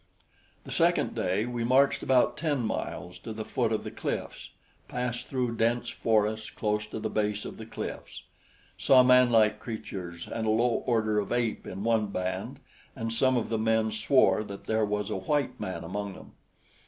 The second day we marched about ten miles to the foot of the cliffs. Passed through dense forests close to the base of the cliffs. Saw manlike creatures and a low order of ape in one band, and some of the men swore that there was a white man among them.